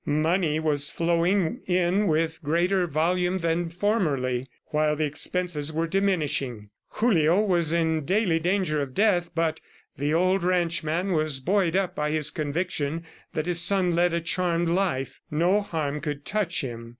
Money was flowing in with greater volume than formerly, while the expenses were diminishing. ... Julio was in daily danger of death, but the old ranchman was buoyed up by his conviction that his son led a charmed life no harm could touch him.